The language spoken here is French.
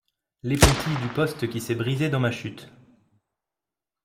L’épontille du poste qui s’est brisée dans ma chute!